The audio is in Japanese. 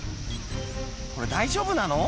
「これ大丈夫なの？